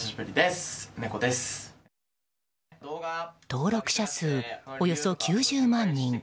登録者数およそ９０万人。